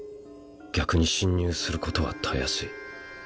逆に侵入することはたやすい。